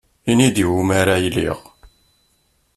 Ini-d, iwumi ara iliɣ